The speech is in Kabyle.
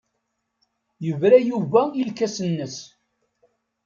Yebra Yuba i lkas-nnes.